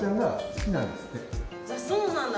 そうなんだ。